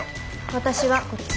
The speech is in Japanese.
私はこっち。